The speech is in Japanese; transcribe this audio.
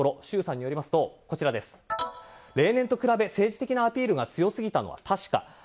周さんによりますと例年と比べ、政治的なアピールが強すぎたのは確か。